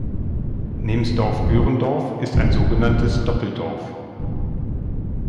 Nemsdorf-Göhrendorf ist ein so genanntes Doppeldorf.